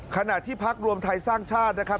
ขณะที่พักรวมไทยสร้างชาตินะครับ